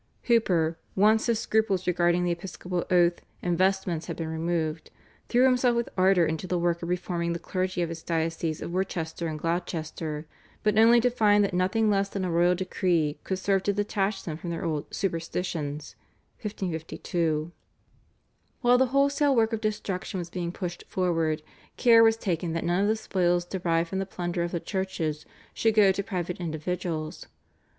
Hooper, once his scruples regarding the episcopal oath and vestments had been removed, threw himself with ardour into the work of reforming the clergy of his dioceses of Worcester and Gloucester, but only to find that nothing less than a royal decree could serve to detach them from their old "superstitions" (1552). While the wholesale work of destruction was being pushed forward care was taken that none of the spoils derived from the plunder of the churches should go to private individuals.